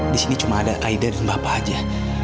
di sini cuma ada kaida dan bapak aja